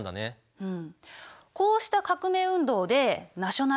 うん。